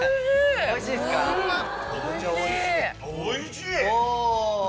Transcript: おいしい！